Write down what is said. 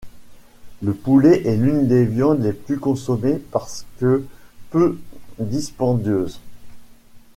Le poulet est l'une des viandes les plus consommées parce que peu dispendieuse.